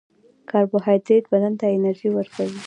کاربوهایډریټ بدن ته انرژي ورکوي